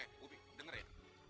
eh ubi denger ya